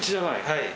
はい。